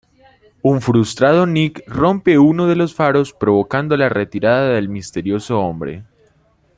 Un frustrado Nick rompe uno de los faros provocando la retirada del misterioso hombre.